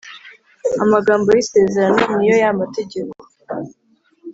amagambo y isezerano Ni yo ya mategeko